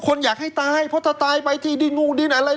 คนอยากให้ตายเพราะถ้าตายไปที่ดินงูดินอะไร